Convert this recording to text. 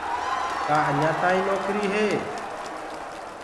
ڪآ اڃآ تآئينٚ نوڪري هي؟